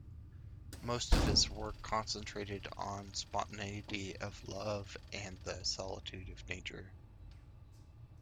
Most of his work concentrated on spontaneity of love and the solitude of nature.